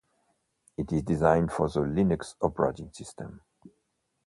It is designed for the Linux operating system.